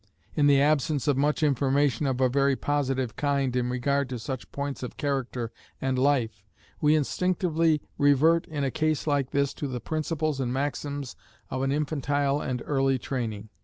In the absence of much information of a very positive kind in regard to such points of character and life, we instinctively revert in a case like this to the principles and maxims of an infantile and early training.